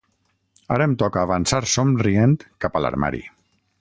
Ara em toca avançar somrient cap a l'armari.